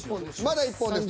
まだ１本です。